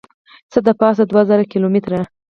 څه دپاسه دوه زره کیلو متره